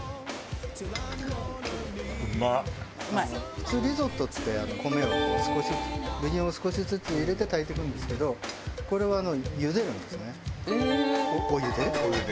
普通リゾットって米を少しずつブイヨンを少しずつ入れて炊いていくんですけどこれは茹でるんですねお湯で。